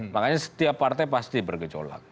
makanya setiap partai pasti bergejolak